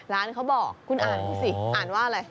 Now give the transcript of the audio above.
ร้านเขาบอกคุณอ่านดูสิอ่านว่าอะไร